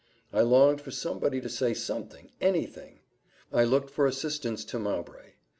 I longed for somebody to say something any thing. I looked for assistance to Mowbray.